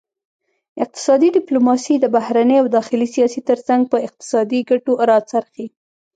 اقتصادي ډیپلوماسي د بهرني او داخلي سیاست ترڅنګ په اقتصادي ګټو راڅرخي